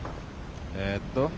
えっと。